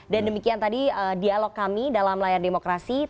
dan demikian tadi dialog kami dalam layar demokrasi